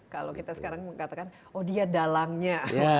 kalau kita sekarang mengatakan oh dia dalangnya